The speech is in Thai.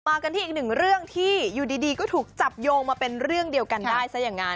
กันที่อีกหนึ่งเรื่องที่อยู่ดีก็ถูกจับโยงมาเป็นเรื่องเดียวกันได้ซะอย่างนั้น